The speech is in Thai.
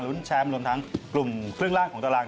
รุ้นแชมป์รวมทั้งกลุ่มครึ่งล่างของตาราง